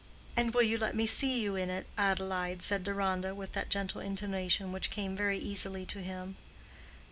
"And will you let me see you in it, Adelaide?" said Deronda, with that gentle intonation which came very easily to him.